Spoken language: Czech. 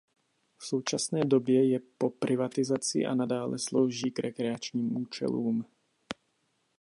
V současné době je po privatizaci a nadále slouží k rekreačním účelům.